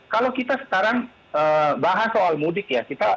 kalau kita sekarang bahas soal mudik ya